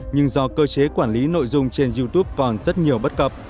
nhưng do cơ chế quản lý nội dung trên youtube còn rất nhiều bất cập